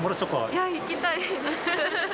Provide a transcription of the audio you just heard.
いや、行きたいです。